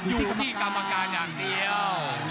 อยู่ที่กรรมการอย่างเดียว